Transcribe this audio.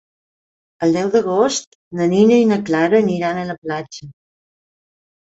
El deu d'agost na Nina i na Clara aniran a la platja.